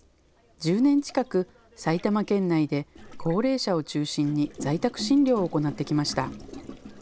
１０年近く、埼玉県内で高齢者を中心に在宅診療を行ってきました。